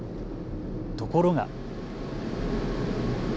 ところが。